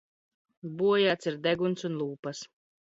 Bojāts ir deguns un lūpas.